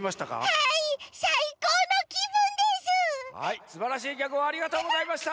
はいすばらしいギャグをありがとうございました！